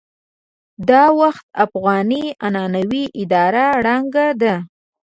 دا وخت افغاني عنعنوي اداره ړنګه ده.